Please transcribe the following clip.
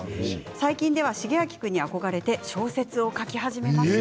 最近ではシゲアキ君に憧れて小説を書き始めました。